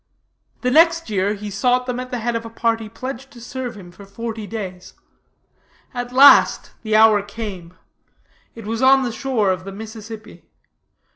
The next year he sought them at the head of a party pledged to serve him for forty days. At last the hour came. It was on the shore of the Mississippi.